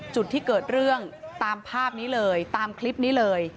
จุดที่เกิดเรื่องตามภาพนี้เลยตามคลิปนี้เลย